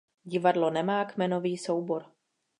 Divadlo nemá kmenový soubor.